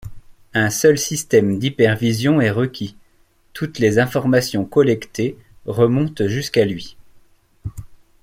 Un seul système d'hypervision est requis, toutes les informations collectées remontent jusqu’à lui.